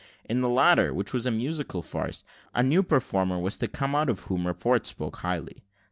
In the latter, which was a musical farce, a new performer was to come out of whom report spoke highly.